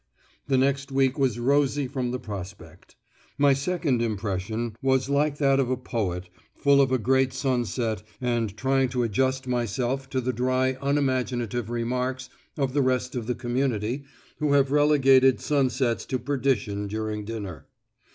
The next week was rosy from the prospect. My second impression was like that of a poet full of a great sunset and trying to adjust himself to the dry unimaginative remarks of the rest of the community who have relegated sunsets to perdition during dinner.